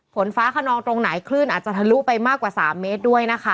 ฝนฟ้าขนองตรงไหนคลื่นอาจจะทะลุไปมากกว่า๓เมตรด้วยนะคะ